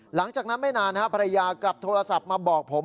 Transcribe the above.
หลังจากนั้นไม่นานภรรยากลับโทรศัพท์มาบอกผม